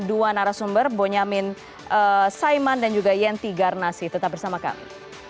dua narasumber bonyamin saiman dan juga yenti garnasi tetap bersama kami